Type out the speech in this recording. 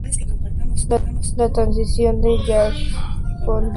La transición de Jason Todd a Robin duró unos cuantos meses.